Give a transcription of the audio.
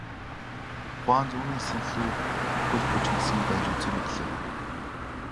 Гуанз үүнээс илүү хөл бужигнасан байж үзээгүй билээ.